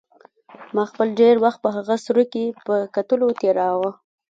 ما خپل ډېر وخت په هغه سوري کې په کتلو تېراوه.